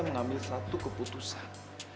mengambil satu keputusan